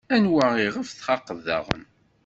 Anwa iɣef txaqeḍ daɣen?